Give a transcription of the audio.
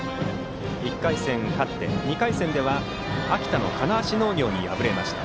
１回戦勝って、２回戦では秋田の金足農業に敗れました。